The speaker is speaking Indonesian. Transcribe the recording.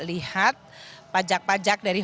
lihat pajak pajak dari